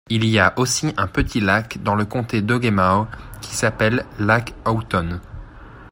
Il y aussi un petit lac dans le comté d'Ogemaw qui s'appelle Lac Houghton.